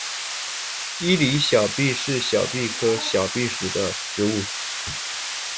伊犁小檗是小檗科小檗属的植物。